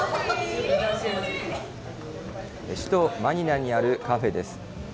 首都マニラにあるカフェです。